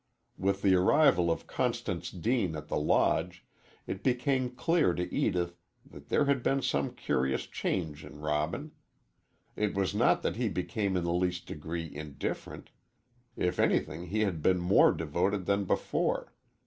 With the arrival of Constance Deane at the Lodge, it became clear to Edith that there had been some curious change in Robin. It was not that he became in the least degree indifferent if anything he had been more devoted than before.